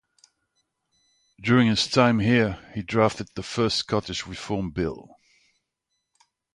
During his time here he drafted the First Scottish Reform Bill.